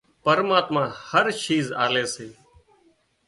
پرماتما هر شِيز آلي سي